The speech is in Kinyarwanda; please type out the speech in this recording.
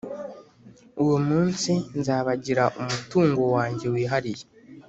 uwo munsi nzabagira umutungo wanjye wihariye